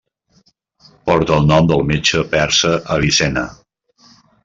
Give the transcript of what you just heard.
Porta el nom del metge persa Avicenna.